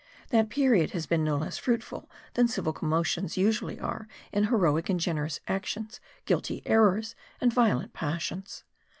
That period has been no less fruitful than civil commotions usually are in heroic and generous actions, guilty errors and violent passions.